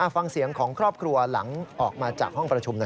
ฟังเสียงของครอบครัวหลังออกมาจากห้องประชุมหน่อย